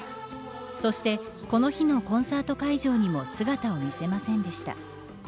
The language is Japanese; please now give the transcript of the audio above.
そしてこの日のコンサート会場にも姿を見せませんでした。